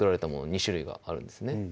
２種類があるんですね